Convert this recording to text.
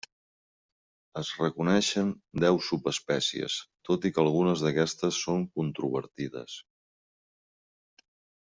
Es reconeixen deu subespècies, tot i que algunes d'aquestes són controvertides.